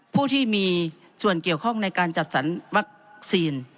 ผู้ที่มีส่วนเกี่ยวข้องในการจัดสรรวัคซีน